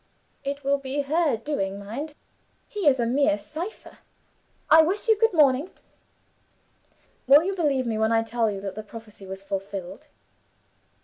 It will be her doing, mind he is a mere cypher. I wish you good morning.' Will you believe me, when I tell you that the prophecy was fulfilled?"